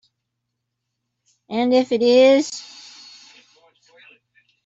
And if it is?